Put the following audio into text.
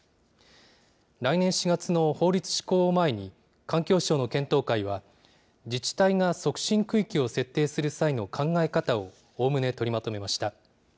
来年４月の法律施行を前に、環境省の検討会は、自治体が促進区域を設定する際の考え方を、おおむね取りまとめました。